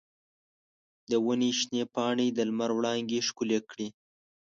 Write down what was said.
د ونې شنې پاڼې د لمر وړانګې ښکلې کړې.